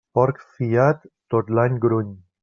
Porc fiat, tot l'any gruny.